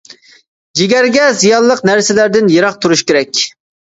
جىگەرگە زىيانلىق نەرسىلەردىن يىراق تۇرۇش كېرەك.